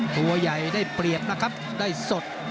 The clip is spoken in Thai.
ตัวใหญ่ได้เปรียบนะครับได้สด